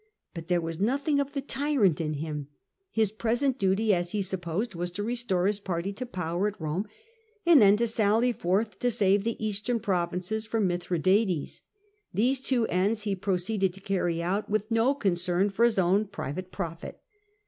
But there was nothing of the tyrant in him : his present duty, as he supposed, was to restore his party to power at Home, and then to sally forth to save the Eastern pro vinces from Mithradates. These two ends he proceeded to carry out, with no concern for his o'wn private profit.